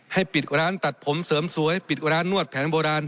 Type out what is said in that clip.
ปิดร้านตัดผมเสริมสวยปิดร้านนวดแผนโบราณ